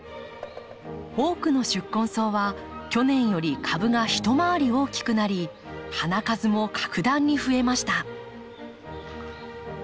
多くの宿根草は去年より株が一回り大きくなり花数も格段に増えました。